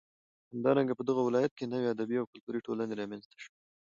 همدارنگه په دغه ولايت كې نوې ادبي او كلتوري ټولنې رامنځ ته شوې.